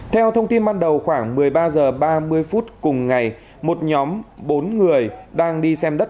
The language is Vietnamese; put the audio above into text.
theo thông tin ban đầu khoảng một mươi ba h ba mươi phút cùng ngày một nhóm bốn người đang đi xem đất